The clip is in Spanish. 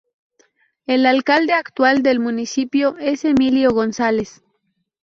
El alcalde actual del municipio es Emilio González.